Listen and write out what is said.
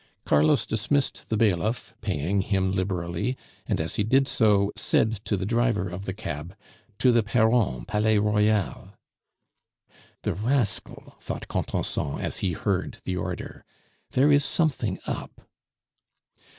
Carlos dismissed the bailiff, paying him liberally, and as he did so, said to the driver of the cab, "To the Perron, Palais Royal." "The rascal!" thought Contenson as he heard the order. "There is something up!"